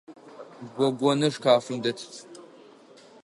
Гогоныр шкафым дэт.